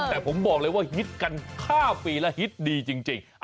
แต่ผมบอกเลยว่าฮิตกัน๕ปีแล้วฮิตดีจริง